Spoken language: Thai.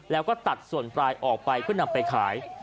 แล้วก็ตัดส่วนปลายออกไปเพื่อนำไปขาย